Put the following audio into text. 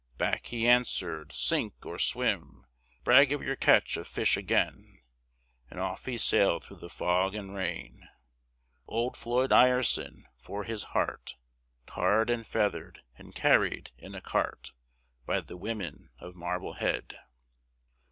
Back he answered, "Sink or swim! Brag of your catch of fish again!" And off he sailed through the fog and rain! Old Floyd Ireson, for his hard heart, Tarred and feathered and carried in a cart By the women of Marblehead!